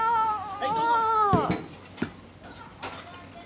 はいどうぞ。